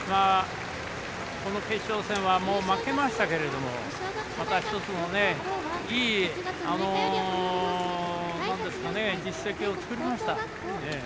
この決勝戦は負けましたけれどまた一つのいい実績を作りました。